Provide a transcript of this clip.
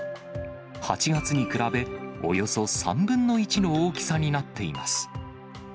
８月に比べ、およそ３分の１の大きさになっています。